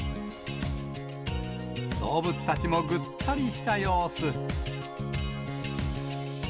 動物たちもぐったりした様子。